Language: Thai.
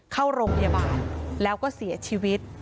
เข้าโรงพยาบาลแล้วก็เสียชีวิต